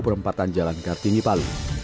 perempatan jalan kartini palu